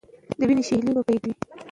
د وینو شېلې به بهېدلې وي.